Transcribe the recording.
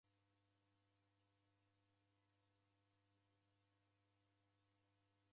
Waida ukitatarika